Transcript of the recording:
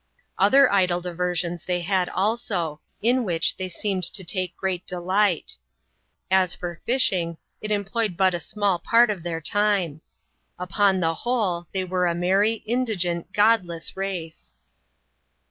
Other idle diversions they had also, in which they seemed to take great delight. As for fishing, it employed but a small part of their time. Upon the whole, they were a merry, indigent, godless race.